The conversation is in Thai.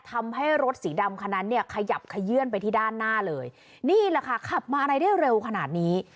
ทำให้รถสีดำคันนั้นเนี่ยขยับขยื่นไปที่ด้านหน้าเลยนี่แหละค่ะขับมาอะไรได้เร็วขนาดนี้